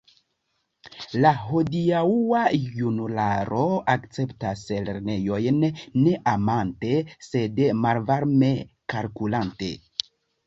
La hodiaŭa junularo akceptas lernejojn ne amante, sed malvarme kalkulante.